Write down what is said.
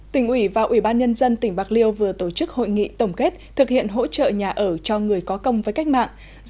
tỉnh ủy và ủy ban nhân dân tỉnh bạc liêu vừa tổ chức hội nghị tổng kết thực hiện hỗ trợ nhà ở cho người có công với cách mạng